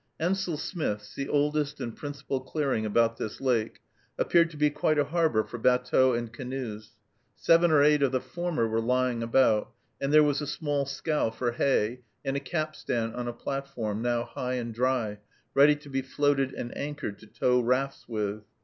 Ansell Smith's, the oldest and principal clearing about this lake, appeared to be quite a harbor for batteaux and canoes; seven or eight of the former were lying about, and there was a small scow for hay, and a capstan on a platform, now high and dry, ready to be floated and anchored to tow rafts with.